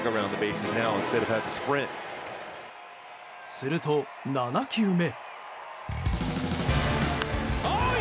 すると、７球目。